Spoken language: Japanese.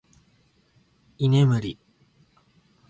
居眠り